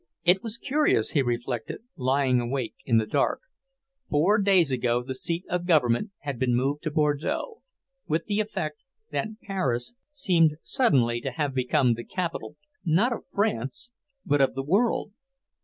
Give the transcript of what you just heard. It was curious, he reflected, lying wide awake in the dark: four days ago the seat of government had been moved to Bordeaux, with the effect that Paris seemed suddenly to have become the capital, not of France, but of the world!